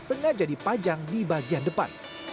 sengaja dipajang di bagian depan